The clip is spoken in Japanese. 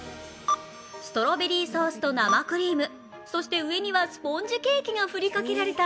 ストロベリーソースと生クリームそして上にはスポンジケーキが振りかけられた